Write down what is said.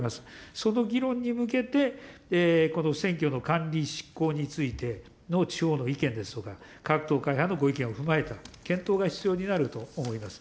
その議論に向けて、選挙の管理執行についての地方の意見ですとか、各党会派をご意見を踏まえた検討が必要になると思います。